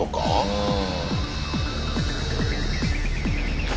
うん。